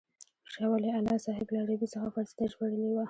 شاه ولي الله صاحب له عربي څخه فارسي ته ژباړلې وه.